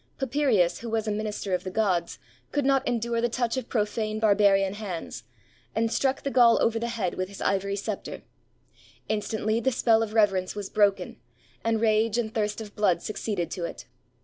Papirius, who was a minister of the gods, could not en dure the touch of profane barbarian hands, and struck the Gaul over the head with his ivory scepter. In stantly the spell of reverence was broken, and rage and thirst of blood succeeded to it.